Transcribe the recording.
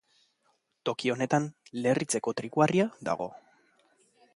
Toki honetan, Lerritzeko trikuharria dago.